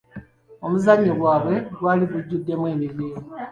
Omuzannyo gwabwe gwali gujjuddemu emivuyo.